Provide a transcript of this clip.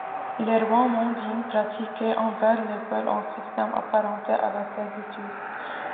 Les rois mandingues pratiquaient envers les Peuls un système apparenté à la servitude.